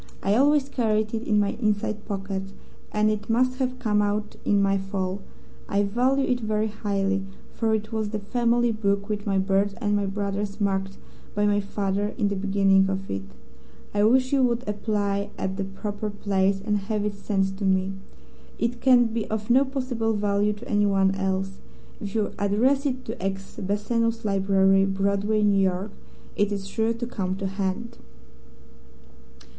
I always carried it in my inside pocket, and it must have come out in my fall. I value it very highly, for it was the family book with my birth and my brother's marked by my father in the beginning of it. I wish you would apply at the proper place and have it sent to me. It can be of no possible value to anyone else. If you address it to X, Bassano's Library, Broadway, New York, it is sure to come to hand."